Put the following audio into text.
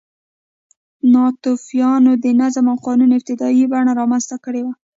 ناتوفیانو د نظم او قانون ابتدايي بڼه رامنځته کړې وه